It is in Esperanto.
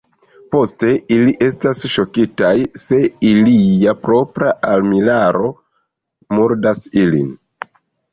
Poste ili estas ŝokitaj, se ilia propra armilaro murdas ilin.